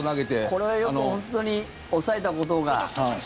これはよく本当に抑えたことが。